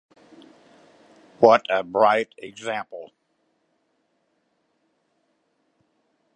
What a bright example!